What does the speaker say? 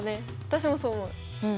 私もそう思う。